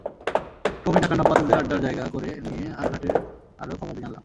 ক্রমেই ঢাকার নব্য আঁতেলদের আড্ডায় জায়গা করে নিয়ে আটঘাটের আরও খবরাদি জানলাম।